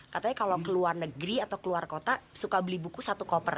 katanya kalau ke luar negeri atau keluar kota suka beli buku satu koper